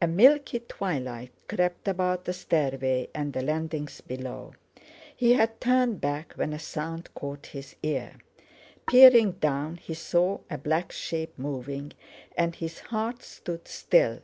A milky twilight crept about the stairway and the landings below. He had turned back when a sound caught his ear. Peering down, he saw a black shape moving, and his heart stood still.